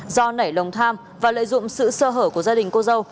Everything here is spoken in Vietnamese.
do nảy lòng tham và lợi dụng sự sơ hở của gia đình cô dâu